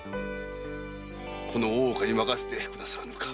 この大岡に任せてくださらぬか。